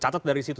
catat dari situ